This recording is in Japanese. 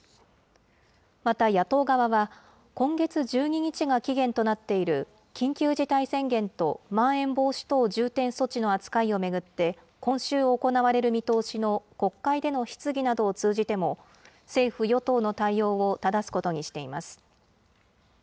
また野党側は、今月１２日が期限となっている、緊急事態宣言とまん延防止等重点措置の扱いを巡って、今週行われる見通しの国会での質疑などを通じても、政府・与党の対応をただすことにしています。